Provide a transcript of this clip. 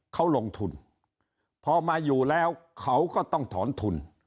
เขาลงทุนพอมาอยู่แล้วเขาก็ต้องถอนทุน